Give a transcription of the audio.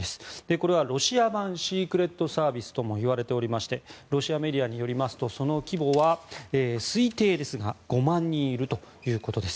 これはロシア版シークレットサービスともいわれておりましてロシアメディアによりますとその規模は推定ですが５万人いるということです。